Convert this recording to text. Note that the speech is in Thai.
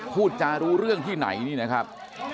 พูดจารู้เรื่องที่ไหนนี่นะครับ